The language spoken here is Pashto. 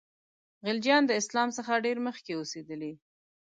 خلجیان د اسلام څخه ډېر مخکي اوسېدلي.